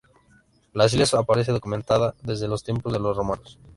La isla aparece documentada desde los tiempos de los romanos.